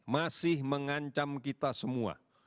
masih mengancam kita semua